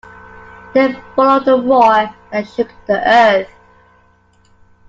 There followed a roar that shook the earth.